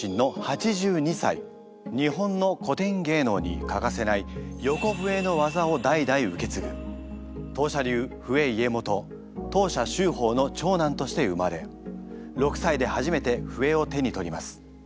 日本の古典芸能に欠かせない横笛の技を代々受け継ぐ藤舎流笛家元藤舎秀の長男として生まれ６歳で初めて笛を手に取ります。